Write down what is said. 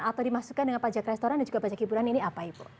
atau dimasukkan dengan pajak restoran dan juga pajak hiburan ini apa ibu